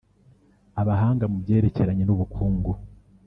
Abahanga mu byerekeranye n’ubukungu